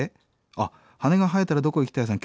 あっはねがはえたらどこに行きたいさん